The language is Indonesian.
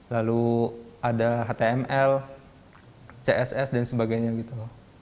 lalu ada html css dan sebagainya gitu